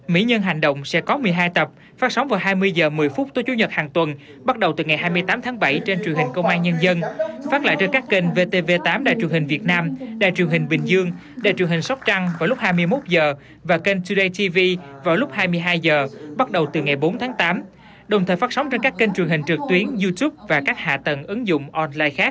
mỹ nhân hành động sẽ có một mươi hai tập phát sóng vào hai mươi h một mươi phút tối chủ nhật hàng tuần bắt đầu từ ngày hai mươi tám tháng bảy trên truyền hình công an nhân dân phát lại trên các kênh vtv tám đài truyền hình việt nam đài truyền hình bình dương đài truyền hình sóc trăng vào lúc hai mươi một h và kênh today tv vào lúc hai mươi hai h bắt đầu từ ngày bốn tháng tám đồng thời phát sóng trên các kênh truyền hình trực tuyến youtube và các hạ tầng ứng dụng online khác